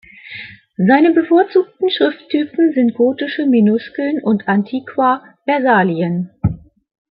Seine bevorzugten Schrifttypen sind gotische Minuskeln und Antiqua-Versalien.